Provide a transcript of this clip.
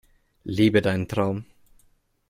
Lebe deinen Traum!